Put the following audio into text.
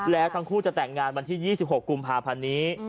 แล้วทั้งคู่จะแต่งงานวันที่๒๖กุมภาพันธ์นี้